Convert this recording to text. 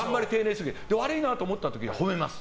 悪いなと思った時は褒めます。